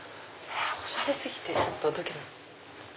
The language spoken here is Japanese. おしゃれ過ぎてドキドキ。